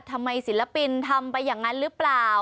ศิลปินทำไปอย่างนั้นหรือเปล่า